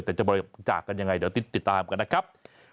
แต่จะบริจาคกันยังไงเดี๋ยวติดตามกันนะครับ